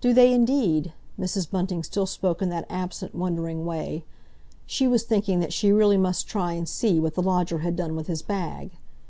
"Do they, indeed?" Mrs. Bunting still spoke in that absent, wondering way. She was thinking that she really must try and see what the lodger had done with his bag.